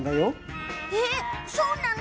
えっ、そうなの？